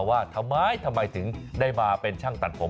หมาผมอยากตัดผมอย่างนี้จังเลยอยากเรียนตัดผม